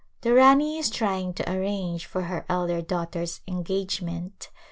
The Rani is trying to arrange for her elder daugh ter's engagement.